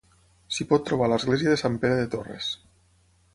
S'hi pot trobar l'església de Sant Pere de Torres.